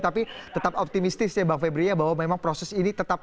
tapi tetap optimistis ya bang febria bahwa memang proses ini tetap